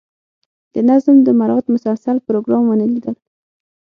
د نظم د مراعات مسلسل پروګرام ونه لیدل.